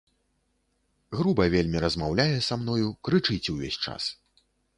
Груба вельмі размаўляе са мною, крычыць увесь час.